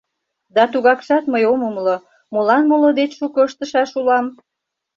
— Да тугакшат мый ом умыло: молан моло деч шуко ыштышаш улам?